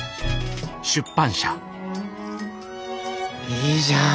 いいじゃん！